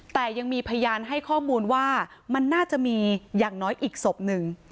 แต่ยังมีพยานให้ข้อมูลว่ามันน่าจะมีอย่างน้อยอีกศพหนึ่ง